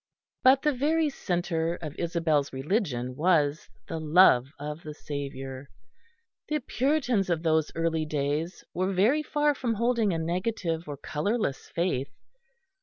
But the very centre of Isabel's religion was the love of the Saviour. The Puritans of those early days were very far from holding a negative or colourless faith.